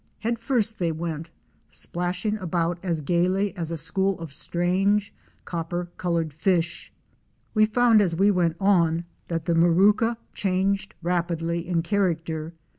Head first they went, splashing about as gayly as a school of strange copper colored fish. We found as we went on that the Marooka changed rapidly in character.